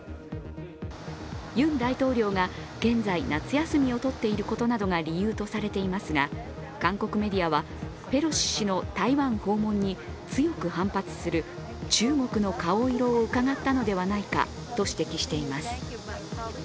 ユン大統領が現在、夏休みをとっていることなどが理由とされていますが韓国メディアは、ペロシ氏の台湾訪問に強く反発する中国の顔色をうかがったのではないかと指摘しています。